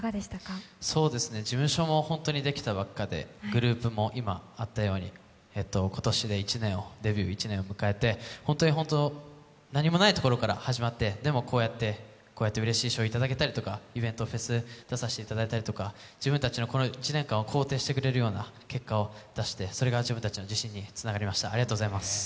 事務所もできたばっかでグループも今あったように、今年でデビュー１年を迎えて本当に何もないところから始まって、でもこうやってうれしい賞をいただけたり、イベントとかフェスに出させてもらえたりとか自分たちの１年間を肯定してくれるような結果で、それが自分たちの自信につながりました、ありがとうございます。